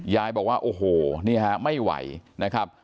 ยายบอกว่าโอ้โหนี่ฮะไม่ไหวนะครับ